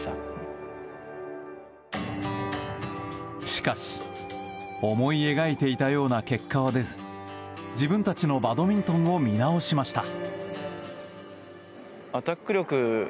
しかし思い描いていたような結果は出ず自分たちのバドミントンを見直しました。